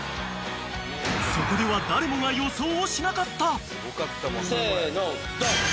［そこでは誰もが予想をしなかった］せのどん！